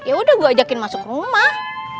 ya udah gue ajakin masuk rumah